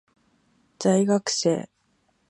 在学生